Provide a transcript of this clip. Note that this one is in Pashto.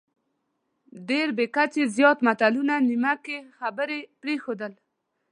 ډېر بې کچې زیات متلونه، نیمه کې خبرې پرېښودل،